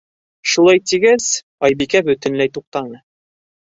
- Шулай тигәс, Айбикә бөтөнләй туҡтаны.